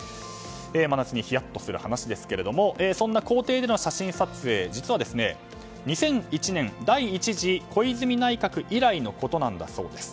真夏にひやっとする話ですがそんな公邸での写真撮影、実は２００１年第１次小泉内閣以来のことなんだそうです。